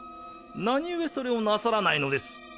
何故それをなさらないのです？